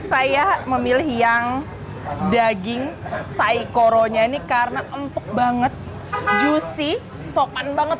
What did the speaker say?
saya memilih yang daging saikoronya ini karena empuk banget juicy sopan banget